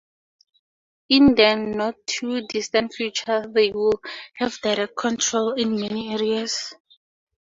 In the not too distant future they will have direct control in many areas.